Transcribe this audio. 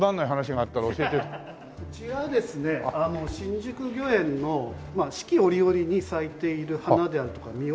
こちらがですね新宿御苑の四季折々に咲いている花であるとか実を。